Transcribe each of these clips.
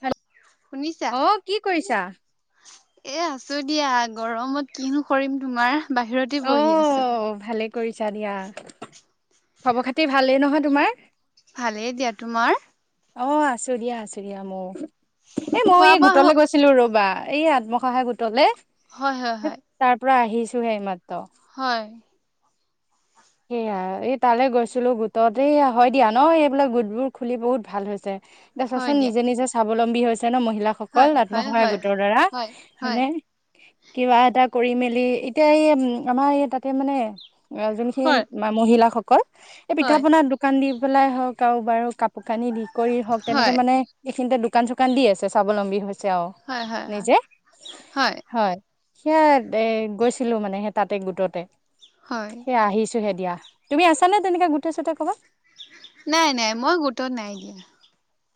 Hello! শুনিছা? অ কি কৰিছা? এ আছো দিয়া গৰমত কিনো কৰিম তোমাৰ, বাহিৰতে বহি আছো। অ' ভালে কৰিছা দিয়া, খবৰ-খাতি ভালেই নহয় তোমাৰ? ভালেই দিয়া। তোমাৰ? অ' আছো দিয়া, আছো দিয়া মইও, এ মই খোৱা এই বোৱা হ গোটলে গৈছিলো ৰ'বা! এই আত্মসহায় গোটলে। হয়, হয়, হয়। তাৰ পৰা আহিছোহে এইমাত্ৰ। হয়। সেয়া এই তালৈ গৈছিলো, গোটত এইয়া হয় দিয়া ন, এইবিলাক গোটবোৰ খুলি বহুত ভাল হৈছে। এতিয়া হয় চাছোন দিয়া নিজে নিজে স্বাৱলম্বী হৈছে। তেন মহিলাসকল হয় হয় আত্মসহায়ক হয় গোটৰ দ্বাৰা হয় হয় হয়নে, কিবা এটা কৰি মেলি, এতিয়া এই উম আমাৰ এই তাতে মানে যোনখিন হয় মহিলাসকল এই পিঠা হয় পনাত দোকান দি পেলাই হওঁক, আৰু বাৰু কাপোৰ কানি দি। কৰি হওঁক তেনেকে হয় মানে এইখিনিতে দোকান-চোকান দি আছে, স্বাৱলম্বী হৈছে। হয় হয় হয় হয় নিজে হয়। সেয়া, এ গৈছিলো মানে সেই তাতে গোটতে। হয় সেইয়া আহিছো। হে দিয়া তুমি আছা নে তেনেকা গোটে-চোটে ক'ৰবাত। নাই নাই, মই গোটত নাই দিয়া।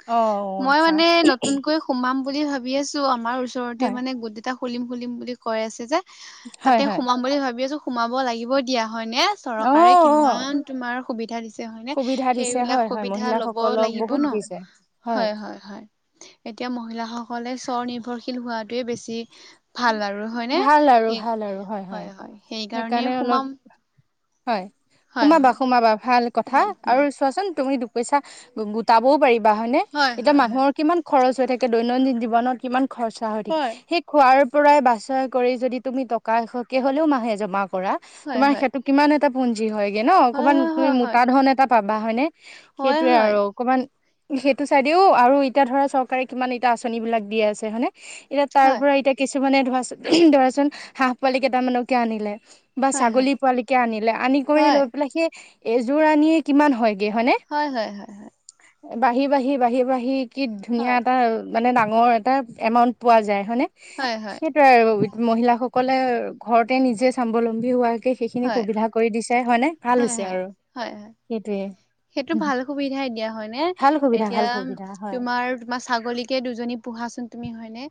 অ মই আচ্ছা মানে, নতুনকৈ সোমাম বুলি ভাবি আছো আমাৰ। বহুতে হয় মানে গোট দুটা খুলিম খুলিম বুলি কৈ আছে যে হয় তাতে হয় সোমাম বুলি ভাবি আছো। সোমাব লাগিব দিয়া হয় নে, অ চৰকাৰে অ কিমান তোমাৰ সুবিধা দিছে হয়নে। সুবিধা হে দিছে বিলাক হয় হয় সুবিধা ল'ব মহিলাসকলক লাগিব বহুত ন। দিছে হয়, হয় এতিয়া মহিলা সকলে। স্বৰনিৰ্ভৰশীল হোৱাটোৱে বেছি। ভাল আৰু হয়নে ভাল আৰু সেই ভাল আৰু হয় হয় সেই কাৰণে সেইকাৰণে অলপ সোমাম। হয় হয় সোমাবা হয় সোমাবা ভাল কথা সোমাম আৰু সোমাম চোৱাচোন তুমি। পইচা গোটাবও পাৰিবা হয়নে। হয় এতিয়া হয় হয় মানুহৰ কিমান খৰচ হৈ থাকে দৈনন্দিন জীৱনত কিমান। খৰচা হৈ থাকে হয় সেই খোৱাৰ পৰাই বাছাই কৰি যদি তুমি টকা এশকে হ'লেও মাহে জম কৰা হয় তোমাৰ হয় সেইটো কিমান এটা পুঞ্জি হয়। ন অকমান তুমি মোটা ধন এটা পাবা হয়নে হয় হয় সেইটোয়ে হয় আৰু অকমান। সেইটো চাইডেও আৰু এতিয়া ধৰা চৰকাৰে কিমান এতিয়া আঁচনি বিলাক দিয়ে আছে হয়নে। এতিয়া তাৰ হয় পৰা এতিয়া, কিছুমানে ধৰাচোন ধৰাচোন হাঁহ পোৱালি কেইটামানকে আনিলে। বা হয় হয় ছাগলী পোৱালিকে আনিলে আনি কৰি হয় লৈ পেলাই সেই এযোৰ আনিয়ে কিমান হয়। হয় হয় হয় হয় বাঢ়ি বাঢ়ি বাঢ়ি বাঢ়ি কি ধুনীয়া হয় এটা মানে ডাঙৰ এটা এমাউট পোৱা যায় হয়নে হয় হয় হয় সেইটোয়ে আৰু মহিলাাসকলে ঘৰতে নিজে স্বাৱলম্বী হোৱা সেইখিনি হয় সুবিধা কৰি দিছোই হয় নাই ভাল হয় হৈছে হয় আৰু হয় হয় সেইটোয়ে সেইটো ভাল সুবিধাই দিয়া হয় নে ভাল সুবিধা এতিয়া ভাল সুবিধা হয় তোমাৰ তোমাৰ ছাগলীকে দুজনী পোহাচোন তুমি হয় মানে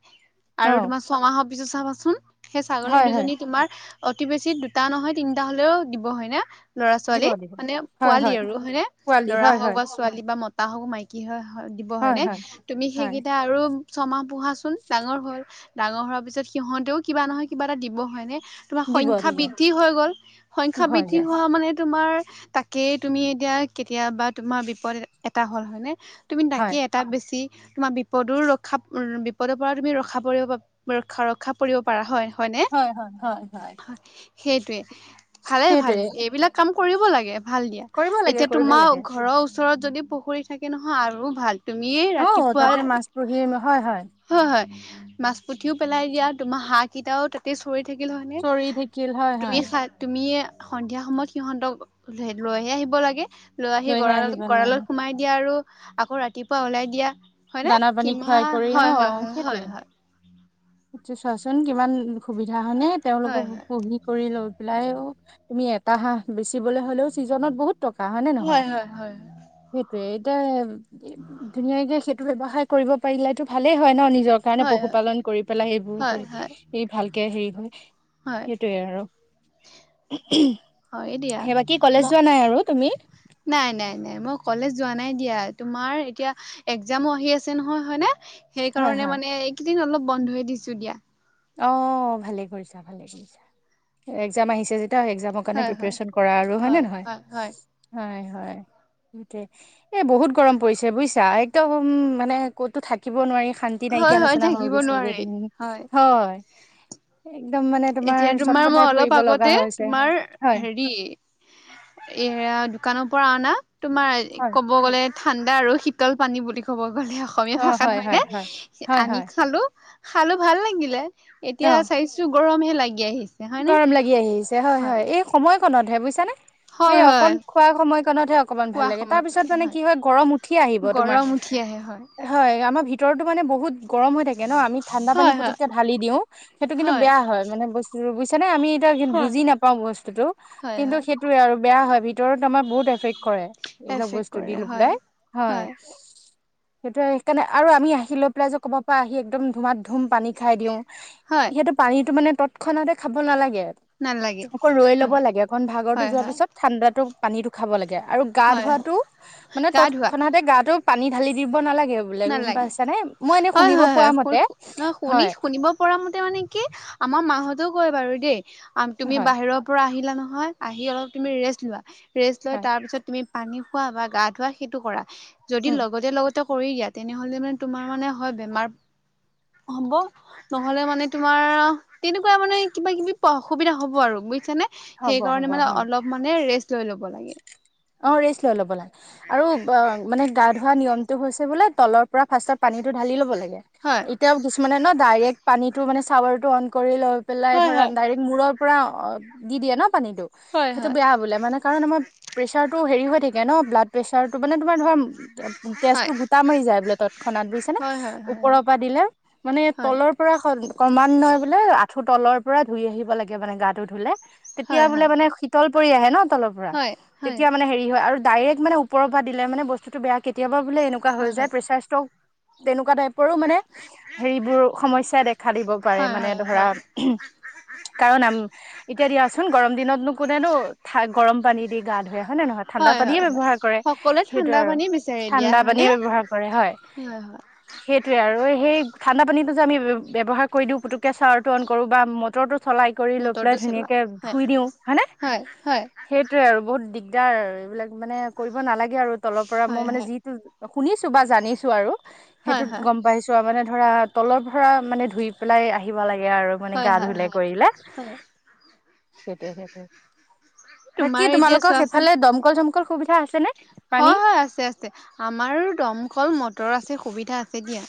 অ আৰু তোমাৰ ছমাহৰ পিছত চাবাচোন সেই ছাগলী হয় হয় দুজনী তোমাৰ অতি বেছি দুটা নহয় তিনিটা হ'লেও দিব হয়নে ল'ৰা দিব ছোৱালী দিব মানে হয় পোৱালি হয় আৰু হয়নে পোৱালি লৰা হয় হওক হয় বা ছোৱালী বা মতা হওক মাইকী হয় দিব হয় হনে হয় তুমি হয় সেইকেইটা আৰু ছমাহ পোহা চোন ডাঙৰ হ'ল ডাঙৰ হোৱাৰ পিছত সিহঁতেও কিবা নহয় কিবা এটা দিব হয় নে তোমাৰ দিব সংখ্যাৰ দিব বৃদ্ধি হৈ গ'ল সংখ্যাৰ হৈ বৃদ্ধি যায় হোৱা মানে তোমাৰ তাকে তুমি এতিয়া কেতিয়াবা তুমাৰ বিপদ এটা হল হয় ন তুমি তাকে হয় এটাত বেছি তোমাৰ বিপদো ৰক্ষা উ বিপদৰ পৰা তুমি ৰক্ষা পৰিব ৰা ৰক্ষা পৰিব পাৰা হয় হয়নে? হয় হয় হয় সেইটোৱে ভালে ভাল সেইটোৱে এইবিলাক কাম কৰিব লাগে ভাল দিয়া কৰিব লাগে এতিয়া কৰিব তোমাৰ লাগে ঘৰৰ ওচৰত যদি পুখুৰী থাকে নহয় আৰু ভাল তুমিয়েই অ', ৰাতিপুৱা তাতে মাছ পুহি হয়, হয় হয় মাছ পুঠিও পেলাই দিয়া তোমাৰ হাঁহ কেইটাও তাতে চৰি থাকিল হয় নে চৰি থাকিল হয়, তুমি হয়, চাতুমিয়ে সন্ধিয়া সময়ত সিহঁতক লৈহে আহিব লাগে লৈ আহি লৈহে গঁৰালত আহিব লাগে। গঁৰা়লত সোমাই দিয়া আৰু আকৌ ৰাতিপুৱা ওলাই দিয়া হয় দানা পানী খুৱাই কৰি কিমান হয় হয় হয় আ চোৱাচোন কিমান সুবিধা সানে হয় তেওঁলোকক হয়। পঢি কৰি লৈ পেলাই অ তুমি এটা হাঁ বেচিবলে হ'লেও ছিজনত বহুত টকা হয়নে নহয় হয় হয় হয় সেইটোৱে এ ধুনীয়াকে সেইটো ব্যৱসায় কৰিব পাৰিল টো ভালে হয় ন নিজ নি যৰ কাৰণে হয় পশুপালন কৰি পেলাই সবোৰ হয় কৰি হয় ই ভালকে হেৰি হয় হয় সেইটোৱে আৰু হয় দিয়া সেইবাকী ম কলেজ যোৱা নাই আৰু তুমি নাই নাই নাই মই কলেজ যোৱা নাই দিয়া তোমাৰ এতিয়া একজামো আহি আছে নহয় হয়নে হয়, সেইকাৰণে হয়, মানে এইকেইদিন অলপ বন্ধয়ে দিছো দিয়া অ ভালে কৰিছা ভালে কৰিছা এক্জাম আহিছে যেতিয়া একজামৰ কাৰণে হয় হয় প্ৰিপেশৰচন কৰা আৰু হয় ন নহয় হয় হয় এ বহুত গৰম পৰিছে বুজিছা একদম মানে ক'তো থাকিব নোৱাৰি শান্তি হয় নাইকি হয় আলোচনা হৈ থাকিব নোৱাৰি গৈছেগেইদিন হয় [unintelligible] এতিয়া তোমাৰ মই চটফটাই অলপ পৰিব লগা আগতে হৈছে তোমাৰ হয় হেৰি এৰা দোকানৰ পৰা অনা তুমাৰ হয় ক'ব গ'লে ঠাণ্ডা আৰু শীতল পানী বুলি ক'ব গলে অসমীয়া অ হয় ভাষাত হয় হয় হয়নে হয় আনি হয় খালো খালো ভাল লাগিলে এতিয়া অ চাইছো গৰমহে লাগি আহিছে হয়নে? গৰম লাগি আহিছে হয় হয় এই সময়কণতহে বুজিছানে সেই হয় অকন হয় খোৱা সময় কণতহে অকমান ভাল খোৱা লাগে তাৰ সময়ত পিছত মানে কি হয় গৰম উঠি আহিব তোমাৰ গৰম উঠি আহে হয় আমাৰ ভিত ভিতৰতো মানে বহুত গৰম হৈ থাকে ন আমি ঠাণ্ডা পানী হয় হয় পুকে ঢালি দিও সেইটো কিন্তু বেয়া হয় মানে বস্ত বুজিছানে আমি এতিয়া হয় বুজি নাপাওঁ বস্তুতটো হয় কিন্তু হয় সেইটোয়ে আৰু বেয়া হয় ভিতৰত আমাৰ বহুত এফেক্ট কৰে এইবিলাক এফেক্ট বস্তু দি কৰে ল হয়। পেলাই হয় সেইটোে সেইকাৰণে আৰু আমি আহি লৈ পেলাই যে ক'ব পৰা আহি একদম ধুমাত ধুম পানী খাই দিওঁ হয় সিহঁতো পানীতটো মানে তৎক্ষণাতে খাব নালাগে নালাগে আকৌ ৰৈ ল'ব হয় লাগে অণ ভাগৰৰতো হয় যোৱাৰ হয় পিছত ঠাণ্ডাতো পানীতো খাব লাগে আৰু গা হয় হয় ধুৱাতটো মানে গা ধোৱা তৎক্ষণাতে গাটো পানী ঢালি দিব নালাগে বোলে গম নালাগে পাইছানে মই এনে হয় শুনিব হয় পোৱা হয় মতে শুনি হয় শুনিব পৰা মতে মানে কি আমাৰ মাহঁত হেইতো কয় বাৰু দেই তুমি হয় বাহিৰৰ পৰা আহিলা নহয় আহি অলপ তুমি ৰেষ্ট লোৱা ৰেষ্ট লৈ হয় তাৰ পিছত তুমি পানী খোৱা বা গা ধোৱা সেইটো কৰা যদি উম লগতে লগতে কৰি দিয়াত তেনেহ'লে মানে তোমাৰ মানে হয় বেমাৰ হ'ব নহলে মানে তোমাৰ তেনেকুৱা মানে কিবা কিবি অসুবিধা হ'ব আৰু বুজিছানে হ'ব সেইকাৰণে হ'ব মানে হয় অলপ মানে ৰেষ্ট লৈ ল'ব লাগে অ ৰেষ্ট লৈ ল'ব লাগে আৰু মানে গা ধোৱা নিয়মটো হৈছে বোলে তলৰ পৰা ফাৰ্ষ্টত পানীটো ঢালি লব লাগে হয় এতিয়াও কিছুমানে ন ডাইৰেক্ পানীটো মানে চাৱাৰ টো কৰি ল পেলাই হয় ধৰা হয় ডাইৰেক্ট মূৰৰ পৰা দি দিয়ে ন পানটো হয় সেইটো বেয়ালে মানে কাৰ প্ৰেচাৰটো হ থ ন ব্লাড প্ৰেছাৰ মানে তোমাৰ ধৰা তেজটো হয় গোটা মাৰি যায় বোলে তৎক্ষণাত বুজিছ নে হয় হয় হয় ওপৰৰ হয় পৰা দিলে মানে হয় তলৰ পৰা খলি ক্ৰমান্বয় বোলে আঁঠু তলৰ পৰা ধুই আহিব লাগে মানে গাটো ধুলে হয় তেতিয়া হয় হয় বোলে মানে শীতল পৰি আহে ন তলৰ পৰা হয় হয় তেতিয়া মানে হেৰি হয় আৰু ডাইৰেক্ট মানে ওৰৰ পৰা দিলোনে বস্তুতটো বেয়া কেতিয়াবা বোলে এনেকোৱা হয় হইজাই হয় পেচাৰইচটক্ট উপ মানে হেৰিবোৰ সমস্যাদেখা দিব পাৰে হয় মানে হয় ধৰা হয় কাৰণ [unintelligible] এতিয়া দিয়াচোন গৰম দিনতনো কোনেনো থ গৰম পানী দি গা ধুই আহ হয় নে নহয় ঠাণ্ডা হয় পানীয়ে হয় হয় ব্যৱহাৰ কৰে সকলোৱে সেইটো ঠাণ্ডা আৰু পানী বিচাৰি দিয়া ঠাণ্ডা হয়নে পানীয়ে ব্যৱহাৰ কৰে হয় সেইটো আৰু সেই ঠাণ্ডা পানীতো যে আমি ব্যৱহাৰ কৰি দিওঁ পুতুককে চাৱাৰ টো অন কৰো বা মটৰো চলাই কৰি লৈ পেলাই মটৰটো চলোৱা ধুনীয়াকে হয় ধুই দিও হয়নে হয় হয় সেইটোয়ে আৰু বহুত দিগদাৰ এইবিলাক মানে কৰিব নালাগে আৰু তলৰ পৰা মই হয় মানে হয় যিটো শুনিছো বা জানিছো আৰু হয় সেইটোত হয় গম পাইছো আৰু মানে ধৰা তলৰ পৰা মানে ধুই পেলাই আহিব লাগে আৰু মানে হয় গা হয় ধুলে হয় কৰিলে হয় সেইটে সেইটে বাকী তোমাৰ এতিয়া তোমালোকৰ চোৱাচোন সেইফালে দমকল চমকল সুবিধা আছে নে হয় হয় আছে আছে আমাৰ দমকল মটৰ আছে সুবিধা আছে দিয়া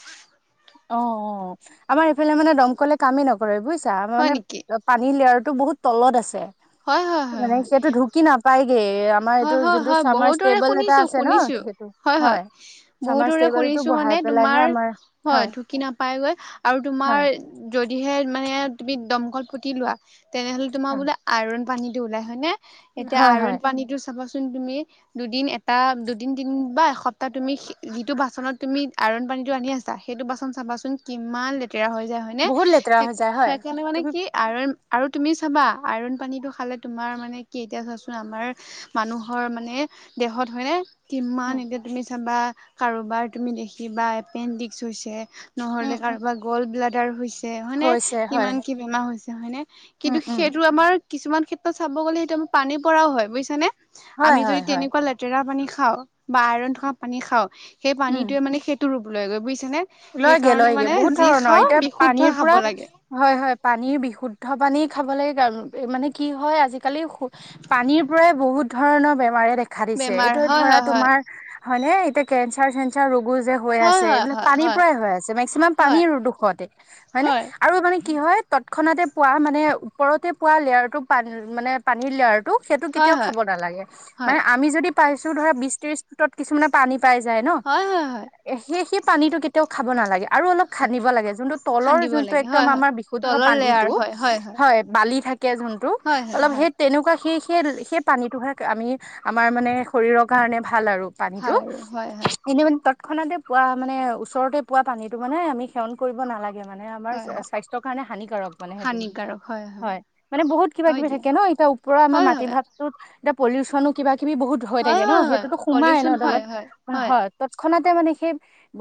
অ অ আমাৰ এইফালে মানে দমকলে কামেই নকৰে বুজিছাাৰ হয় মানে নেকি পানী লেয়াৰ বহুত তলত আছে হয় হয় হয় মানে হয় সেইটো ধুকি নাপায়গে হয় হয় হয় বহুতৰে শুনিছো শুনিছো হয় হয় বহুতৰে শুনিছো মানে [unintelligible] তোমাৰ হয় ঢুকি নাপায়গৈ আৰু তোমাৰ হয় যদিহে মানে তুমি দমকল পুতি লোৱা তেনেহলে তোমাৰ হয় বোলে আইৰণ পানীটো ওলাই হয় নে এতিয়া হয় আইৰন হয় পানীতো চাবাচোন তুমি দুদিন এটা দুদিন তিনদিন বা এসপ্তাহ তুমি যিটো বাচনত তুমি [unintelligible] হৈ যায় হয়নে বহুত লেতেৰা সেই হৈ যায় হয় সেইকাৰণে মানে তুমি কি আৰু আৰু তুমি চাবা আইৰন পানীটো খালে তোমাৰ মানে কি এতিয়া চোৱাচোন আমাৰ মানুহৰ মানে দেহত হয়নে কিমান উম এতিয়া তুমি বা কাৰোবাৰ তুমি দেখিবা এপেণ্ডিক্স হৈছে উম নহ'লে উম কাৰোবাৰ গলব্লাডাৰ আৰ হৈছে হয়নেে হৈছে হয় কিমান কি বেমাৰ হৈছে হয়নে উম কিন্তু উম সেইটো আমাৰ কিছুমান ক্ষেত্ৰত চাব গ'লে সেইটো আমাৰ পানী পৰাও হয় বুজছানে হয় আমি যদি হয় হয় তেনেকুৱা লেতেৰা পানী খাও বা আইৰন থকা পানী খও সেই উম পানীটোৱে মানে সেইটো ৰূপ লৈ গৈ বুজিছ লয়গে লয়গে বহুত ধৰণৰ এতিয়া বিশুদ্ধ পানীৰ খাব পুৰা লাগে হয় হয় পানীৰ বিশুদ্ধ পানী খাব লাগে কাৰ মানে কি হয় আজিকালি পানীৰ পৰাই বহুত ধৰণৰ বেমাৰে দেখ দেখা দিছে বেমাৰ এইটো হয় ধৰা হয় তোমাৰ হয়নেে এতিয়া কেঞ্চাৰ চেঞ্চাৰ ৰোগো যে হৈ আছে হয় এইবিলাক পানীৰ হয় পৰাই হৈ আছে মেক্সিমাম হয় পানীৰ দুখতে হয় হয়নে হয় আৰু মানে কি হয় তৎক্ষণাতে পোৱা মানে ওপৰতে পোৱা লেয়াৰ টো পান মানে পানীৰ লেয়াৰ সেইটো হয় কেতিয়াও হয় হয় হয় হয় হয় খাব নালাগে মানে আমি যদি পাইছো ধৰা বিশ ত্ৰশ ফুটত কিছুমানে পানী পাই যায় ন হয় হয় হয় সেই সেই পানীতটো কেতিয়াও খাব নালাগে আৰু অলপ হয় খান্দিব লাগে যোনটো তলৰ খান্দিব যোনটো লাগে একদম হয় হয় আমাৰ বিশুদ্ধ তলৰ লেয়াৰ পানীতটো হয় হয় বালি থাকে কে জোনটো হয় হয় অলপ হয় সেই তেনেকুৱা সি সেই সেই পানীটোহে আমি আমাৰ মানে শৰীৰৰ কাৰণে ভাল আৰু ভাল আৰু হয় হয় পানীতটো নে ম তৎক্ষণাতে পোৱা মানে ওচৰতে পোৱা পানীতটো মানে আমি সেৱন কৰিব নালাগে। মানে আমাৰ হয় হয় স্বাস্থ্যৰ কাৰণে হানিকাৰক মানে সেইটোৱে। হয় মানে বহুত কিবা হয় কিবি দিয়া থাকে ন এতিয়া ওপৰৰ আমাৰ হয় মাটি হয় ভাগটো এতিয়া পলিউচনো কিবা কিবি বহুত হৈ হয় থাকে ন হয় হয় সেইটোতো সোমাই ন পলিউচন হয় দলত হয় হয় তৎক্ষণাত মানে সেই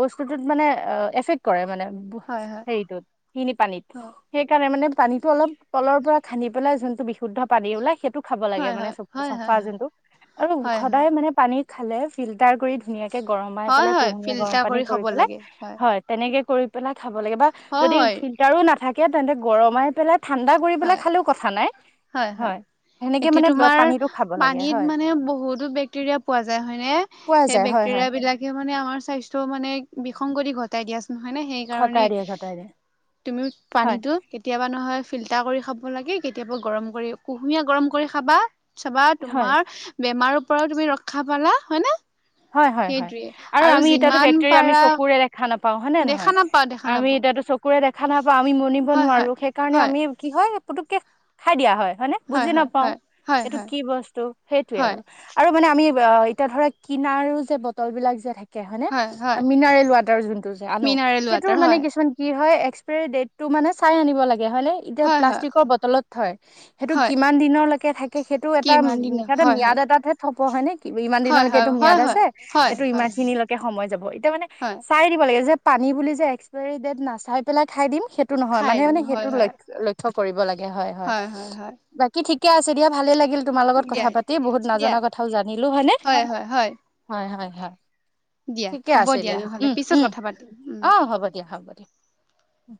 বস্তুটোত মানে অ এফেক্ট কৰে মানে। হয় হয় সেইটো সিখিনি পানীত সেইকাৰণে মানে পানীতো অলপ তলৰ পৰা খান্দি পেলাই যোনটো বিশুদ্ধ পানী ওলাই সেইটো খাব লাগে হয় মানে হয় চ হয় হয় চাফা হয় যোনটো আৰু হয় হয় সদায় হয় মানে পানী খালে ফিল্টাৰ কৰি ধুনীয়াকে গৰমাই হয় পেলাই হয় কুহুমীয়া গৰম ফিল্টাৰ পানী খাব কৰি পেলাই লাগে হয় তেনেক তেনেকে কৰি পেলাই খাব লাগে বা হয় যদি হয় ফিল্টাৰো নাথাকে তেন্তে গৰমাই পেলাই ঠাণ্ডা কৰিেলা হয় খালেও কথা নাই হয়। সেনেকে এতিয়া মানে তোমাৰ পানীটো খাব লাগে পানীত হয় মানে বহুতো বেক্টেৰিয়া পোৱা যায় হয় নে পোৱা সেই বেক্ যায় হয় হয় বেক্টেৰিয়া বিলাকে মানে আমাৰ স্বাস্থ্যৰ মানে বিসংগতি ঘটাই দিয়া নহয় নে সেই ঘটাই দিয়ে কাৰণেই ঘটাই দিয়ে তুমি হয় পানীতো কেতিয়াবা নহয় ফিল্টাৰ কৰি খাব লাগে কেতিয়াবা গৰম কৰি কুহুমীয়া গৰম কৰি খাবা। চবা হয়। তোমাৰ বেমাৰৰও পৰাও তুমি ৰক্ষা পালা হয় নে? হয় হয় হয় সেইটোৱে আৰু আমি এতিয়াতো যিমান বেক্টেৰিয়া আমি পাৰা চকুৰে দেখা নাপাও হয় নে নে দেখা নহয়। নাপাও দেখা আমি নাপাও এতিয়াটো চকুৰে দে দেখা নাপাওঁ, আমি মনিব হয় হয় নোৱাৰো সেই কাৰণে হয় আমি কি হয় পুতুককে খাই দিয়া হয়। হয়নে হয় বুজি হয় নাপাও হয় হয় এইটো হয় কি বস্তু সেইটোয়ে হয় আৰু আৰু মানে আমি এতিয়া ধৰা কিনাৰো যে বটল বিলাক যে থাকে। হয় নে মিনাৰেল ৱাটাৰ যোনটো যে আনো মিনাৰেল সেইটো ৱাটাৰ মানে হয় কিছুমান কি হয় এক্সপিৰে ডেটটো মানে চাই আনিব লাগে। হয় নে এতিয়া হয় হয় প্লাষ্টিকৰ বটলত থয় সেইটো হয় কিমান দিনৰ লৈকে থাকি সেইটো এটা কিমান দিনৰ মিঠাতে হয় ম্যাদ হয় এটা হে থব হয় নে ইমান হয় দিনলৈকে হয় এইটো ম্যাদ হয় আছে হয় হয় এইটো ইমান হয় খিনিলৈকে সময় যাব এতিয়া মানে হয় চাই দিব লাগে যে পানী বুলি যে এক্সপায়ৰী ডেট নাচাই পেলাই খাই দিম সেইটো নহয়। খাই মানে দিম মানে হয় সেইটো হয় লক্ষ্ লক্ষ্য কৰিব লাগে হয় হয়। বাকী ঠিক ঠিকে আছে দিয়া ভালে লাগিল তোমাৰ লগত দিয়া কথা পাতি বহুত দিয়া নজনা কথাও জানিলো হয়নে? হয় হয় হয় হয় হয় দিয়া ঠিকে হ'ব আছে দিয়া নহ'লে উম পিছত উম কথা পাতিম উম। অ হ'ব দিয়া হ'ব দিয়া। উম।